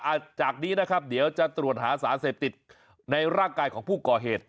จากนี้นะครับเดี๋ยวจะตรวจหาสารเสพติดในร่างกายของผู้ก่อเหตุ